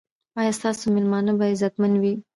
ایا ستاسو میلمانه به عزتمن وي؟